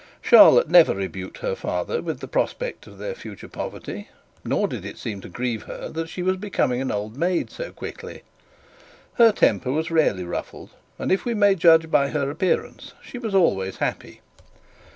Charlotte never rebuked her father with the prospect of their future poverty, nor did it seem to grieve her that she was becoming an old maid so quickly; her temper was rarely ruffled, and, if we might judge by her appearance, she was always happy.